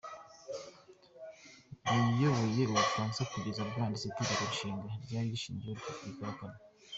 Yayoboye u Bufaransa kugeza bwanditse Itegeko Nshinga ryari rishingiyeho Repubulika ya Kane.